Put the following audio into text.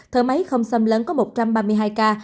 thở máy không xâm lấn có một trăm ba mươi hai ca